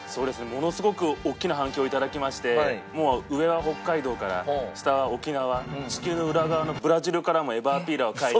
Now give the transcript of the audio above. ものすごく大きな反響をいただきましてもう上は北海道から下は沖縄地球の裏側のブラジルからもエバーピーラーを買いに。